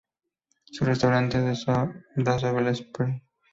Su restaurante da sobre el Spree.